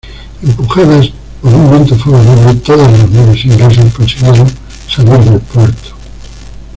Empujadas por un viento favorable, todas las naves inglesas consiguieron salir del puerto.